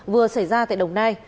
vừa xảy ra tại đồng nai